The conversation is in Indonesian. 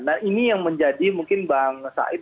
nah ini yang menjadi mungkin bang said